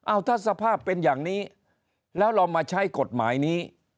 เอาถ้าสภาพเป็นอย่างนี้แล้วเรามาใช้กฎหมายนี้